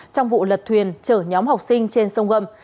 trong vụ lật thuyền chở nhóm học sinh trên sông gâm